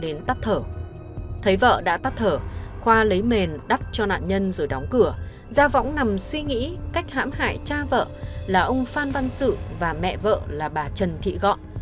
thấy tắt thở thấy vợ đã tắt thở khoa lấy mềm đắp cho nạn nhân rồi đóng cửa gia võng nằm suy nghĩ cách hãm hại cha vợ là ông phan văn sự và mẹ vợ là bà trần thị gọn